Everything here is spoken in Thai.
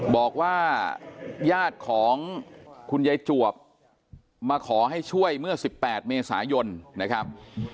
บอกว่าญาติของคุณยายจวบมาขอให้ช่วยเมื่อ๑๘เมษายนนะครับ